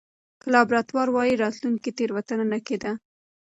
که لابراتوار واي، راتلونکې تېروتنه نه کېده.